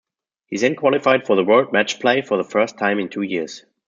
He then qualified for the World Matchplay for the first time in two years.